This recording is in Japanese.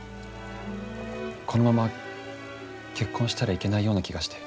このまま結婚したらいけないような気がして。